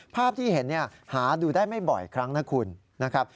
ภาพที่เห็นหาดูได้ไม่บ่อยครั้งนะคุณนะครับ